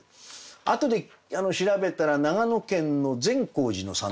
あとで調べたら長野県の善光寺の参道だったと。